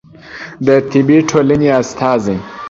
د طبي ټولنې استازی